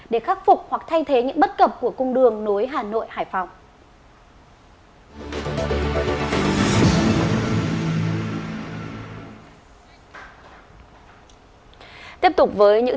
để khắc phục hoặc thay thế những bất cập của cung đường nối hà nội hải phòng